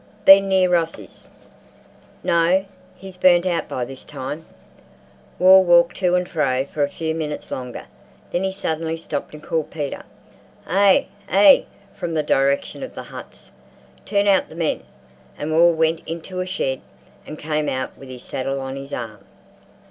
"Been near Ross's?" "No. He's burnt out by this time." Wall walked to and fro for a few minutes longer. Then he suddenly stopped and called, "Peter!" "Ay, ay!" from the direction of the huts. "Turn out the men!" and Wall went into a shed and came out with his saddle on his arm.